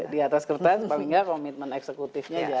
di atas kertas paling tidak komitmen eksekutifnya jalan